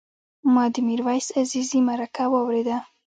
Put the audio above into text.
ما د میرویس عزیزي مرکه واورېده.